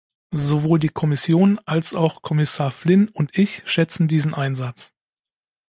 Sowohl die Kommission als auch Kommissar Flynn und ich schätzen diesen Einsatz.